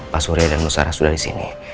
pak surya dan tante sarah sudah disini